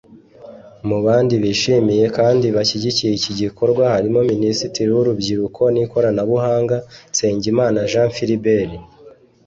Mu bandi bishimiye kandi bashyigikiye iki gikorwa harimo Minisitiri w’Urubyiruko n’Ikoranabuhanga Nsengimana Jean Philbert